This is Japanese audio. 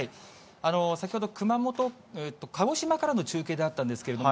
先ほど、鹿児島からの中継であったんですけれども、